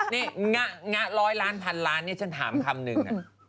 นี่งะร้อยล้านพันล้านนี่ฉันถามคำนึง